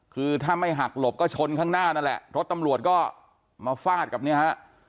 คือถ้าไม่หักหลบก็ชนข้างหน้านั่นแหละรถตำรวจก็มาฟาดกับเนี่ยฮะ